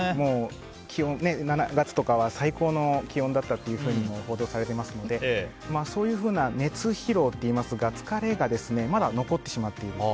７月とかは最高の気温だったとも報道されていますのでそういうふうな熱疲労って言いますが疲れが、まだ残ってしまっている。